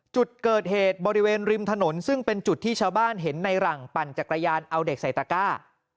จุดเกิดเหตุบริเวณริมถนนซึ่งเป็นจุดที่ชาวบ้านเห็นในหลังปั่นจักรยานเอาเด็กใส่ตระก้า